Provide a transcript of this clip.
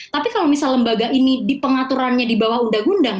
tapi kalau misal lembaga ini di pengaturannya di bawah undang undang